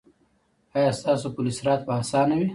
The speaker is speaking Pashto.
ایا ستاسو پل صراط به اسانه وي؟